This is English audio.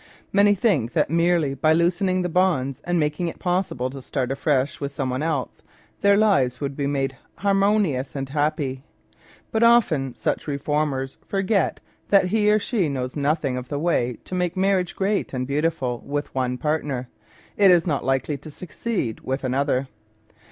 Many think that merely by loosening the bonds, and making it possible to start afresh with someone else, their lives would be made harmonious and happy. But often such re formers forget that he or she who knows nothing of the way to make marriage great and beautiful with one partner, is not likely to succeed with another.